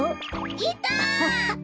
いた！